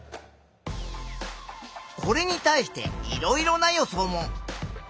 これに対していろいろな予想も。